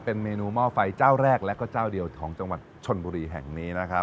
เป็นเมนูหม้อไฟเจ้าแรกและก็เจ้าเดียวของจังหวัดชนบุรีแห่งนี้นะครับ